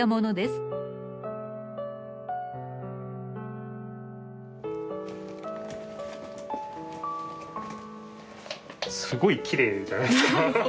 すごくきれいじゃないですか。